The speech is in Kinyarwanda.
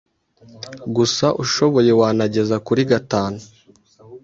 gusa ushoboye wanageza kuri gatanu,